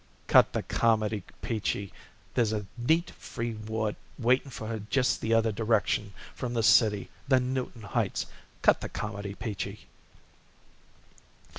"Cut the comedy, Peachy. There's a neat free ward waiting for her just the other direction from the city than Newton Heights. Cut the comedy, Peachy."